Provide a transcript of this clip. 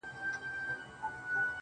را ژوندی سوی يم، اساس يمه احساس يمه,